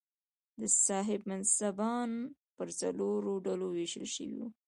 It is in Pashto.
صاحب منصبان پر څلورو ډلو وېشل شوي وو.